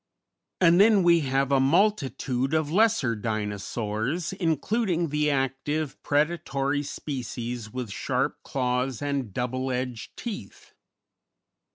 And then we have a multitude of lesser Dinosaurs, including the active, predatory species with sharp claws and double edged teeth.